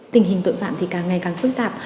tình hình tội phạm thì càng ngày càng phức tạp